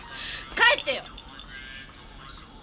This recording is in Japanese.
帰ってよ！